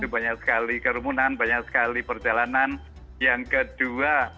banyak sekali kerumunan banyak sekali perjalanan yang kedua banyak sekali perjalanan yang kedua